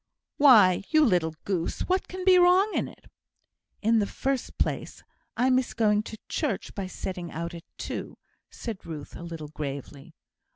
"Why, you little goose, what can be wrong in it?" "In the first place, I miss going to church by setting out at two," said Ruth, a little gravely.